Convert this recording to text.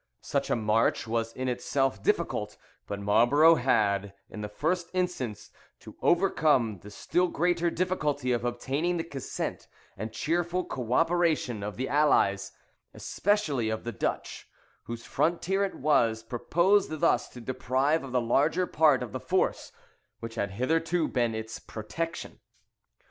Such a march was in itself difficult, but Marlborough had, in the first instance, to overcome the still greater difficulty of obtaining the consent and cheerful co operation of the Allies, especially of the Dutch, whose frontier it was proposed thus to deprive of the larger part of the force which had hitherto been its protection.